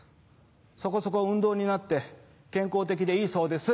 そこそこ運動になって健康的でいいそうです。